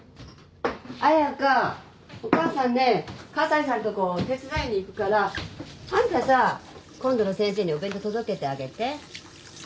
彩佳お母さんね笠井さんとこ手伝いに行くからあんたさ今度の先生にお弁当届けてあげて。